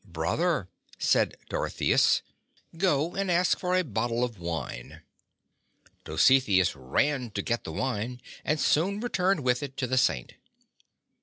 "Brother," said Dorotheus, "go and ask for a bottle of wine." Dositheus ran to get the wine and soon returned with it to the Saint.